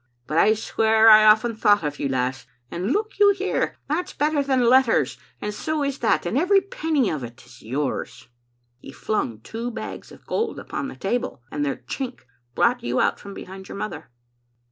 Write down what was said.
But I swear I often thought of you, lass; and look you here, that's better than letters, and so is that, and every penny of it is yours. *" He flung two bags of gold upon the table, and their chink brought you out from behind your mother.